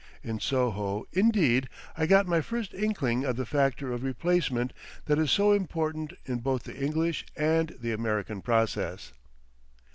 In Soho, indeed, I got my first inkling of the factor of replacement that is so important in both the English and the American process.